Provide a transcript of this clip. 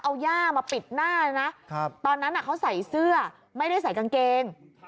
เอาย่ามาปิดหน้าเลยนะตอนนั้นเขาใส่เสื้อไม่ได้ใส่กางเกง